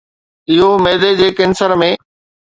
اهو معدي جي ڪينسر ۾